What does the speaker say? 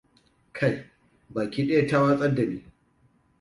Kai, baki ɗaya ta watsar da ni.